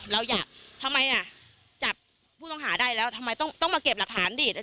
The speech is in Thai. ทำไมจับผู้ต้องหาได้แล้วทำไมต้องมาเก็บหลักฐานดิ